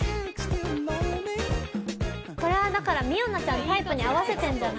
これはだから未央奈ちゃんのタイプに合わせてんじゃない？